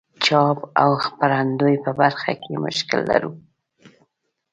د چاپ او خپرندوی په برخه کې مشکل لرو.